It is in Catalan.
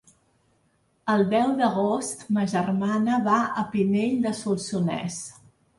El deu d'agost ma germana va a Pinell de Solsonès.